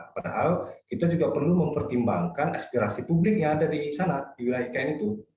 padahal kita juga perlu mempertimbangkan aspirasi publik yang ada di sana di wilayah ikn itu